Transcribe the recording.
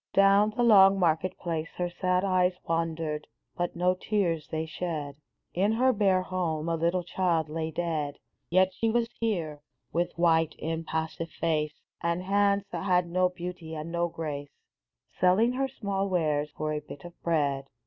Down the long market place Her sad eyes wandered, but no tears they shed. In her bare home a little child lay dead ; Yet she was here, with white, impassive face, And hands that had no beauty and no grace, Selling her small wares for a bit of bread